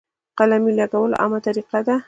د قلمې لګول عامه طریقه ده.